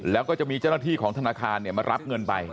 แล้วก็จะมีเจ้าหน้าที่ของธนาคารมารับเงินไป